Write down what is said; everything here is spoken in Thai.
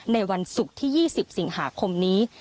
ในวันศุกร์ที่๒๐สิงหาคมนี้